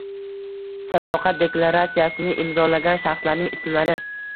Sadoqat deklaratsiyasini imzolagan shaxslarning ismlari